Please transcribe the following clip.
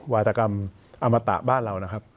วาตกรรมอมตะบ้านเรานะครับ